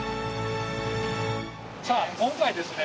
さあ今回ですね